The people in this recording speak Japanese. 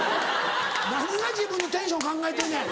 何が自分のテンション考えとんねん。